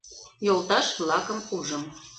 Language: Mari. Йолташ-влакым ужым.